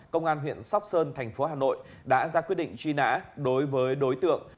công an huyện sóc sơn thành phố hà nội đã ra quyết định truy nã đối với đối tượng